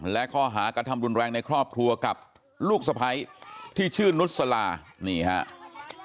และข้อหากระทำรุนแรงในครอบครัวกับลูกสะพ้ายที่ชื่อนุษลานี่ครับ